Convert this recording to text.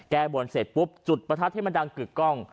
แก้บนเสร็จปุ๊บจุดประทัดให้มันดังกึกกล้อง